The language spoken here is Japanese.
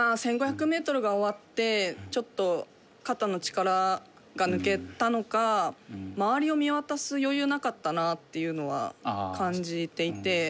まあ、１５００ｍが終わってちょっと肩の力が抜けたのか周りを見渡す余裕なかったなっていうのは感じていて。